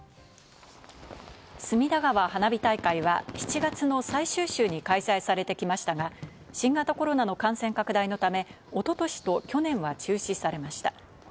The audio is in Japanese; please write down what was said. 隅田川花火大会は７月の最終週に開催されてきましたが、新型コロナの感染拡大のため、一昨年と去年は中止されました。